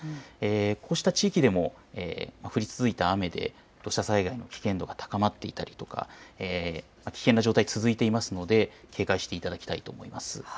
こうした地域でも降り続いた雨で土砂災害の危険度が高まっていたりとか危険な状態、続いていますので警戒していただきたいと思います。